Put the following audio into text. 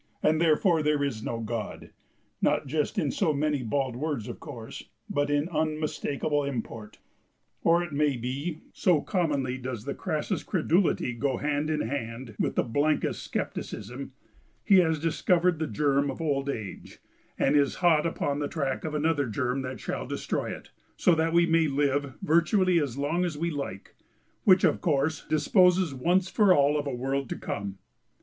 and therefore there is no God; not just in so many bald words, of course, but in unmistakable import. Or it may be so commonly does the crassest credulity go hand in hand with the blankest scepticism he has discovered the germ of old age and is hot upon the track of another germ that shall destroy it, so that we may all live virtually as long as we like; which, of course, disposes once for all of a world to come.